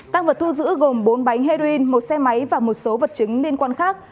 tăng vật thu giữ gồm bốn bánh heroin một xe máy và một số vật chứng liên quan khác